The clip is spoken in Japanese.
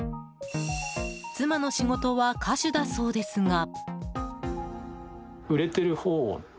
妻の仕事は歌手だそうですが。